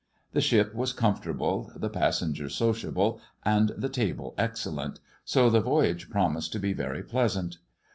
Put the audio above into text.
The ship was comfortable, the passengers sociable, and the table excellent, so the voyage promised to be very pleasant.